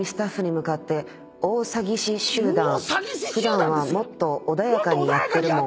「大詐欺師集団」「普段はもっと穏やかにやってるもん」